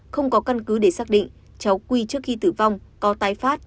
không có căn cứ để xác định cháu n c a qi trước khi tử vong có tái phát